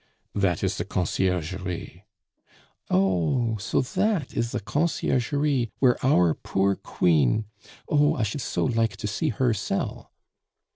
"That is the Conciergerie." "Oh! so that is the Conciergerie where our poor queen Oh! I should so like to see her cell!"